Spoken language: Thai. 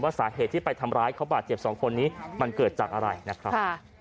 สาเหตุที่ไปทำร้ายเขาบาดเจ็บสองคนนี้มันเกิดจากอะไรนะครับ